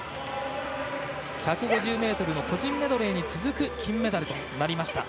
１５０ｍの個人メドレーに続く金メダルとなりました。